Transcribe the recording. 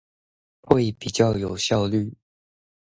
會比較有效率